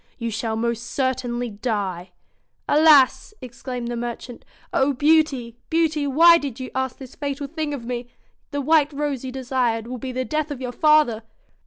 ' You shall most certainly die.' 'Alas!' exclaimed the merchant. 'Oh, Beauty! Beauty ! why did you ask this fatal thing of me ? The white rose you desired will be the death of your father.'